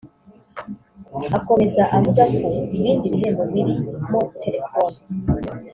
Akomeza avuga ko ibindi bihembo birimo telefoni